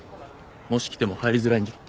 もし来ても入りづらいんじゃ。